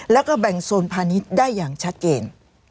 แล้วก็แบ่งโซนพาณิชย์ได้อย่างชัดเจน